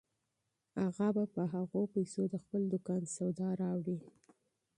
اغا به په هغو پیسو د خپل دوکان سودا راوړي.